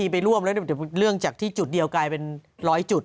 ไปร่วมแล้วเดี๋ยวเรื่องจากที่จุดเดียวกลายเป็น๑๐๐จุด